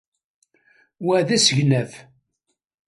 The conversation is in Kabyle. Wa d asegnaf.